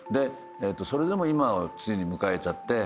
それでも今をついに迎えちゃって。